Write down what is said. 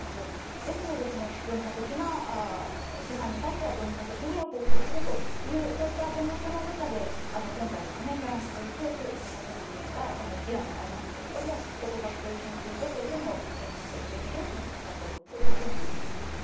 ですので文化的な批判に対しては文化的に報復するという文脈の中で今回、フランス政府の組織でしたイランにありますけれども考古学研究所というのを一方的に閉鎖したとそういうことだと思います。